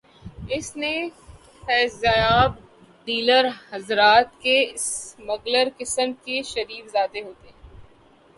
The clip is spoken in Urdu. اس سے فیضیاب ڈیلر حضرات اور سمگلر قسم کے شریف زادے ہوتے ہیں۔